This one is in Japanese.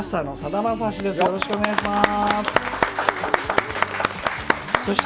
井上です、よろしくお願いします。